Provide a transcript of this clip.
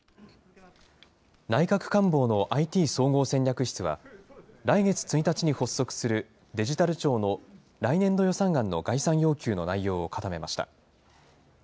内閣官房のＩＴ総合戦略室は、来月１日に発足するデジタル庁の来年度予算案の概算要求の内容を固めました。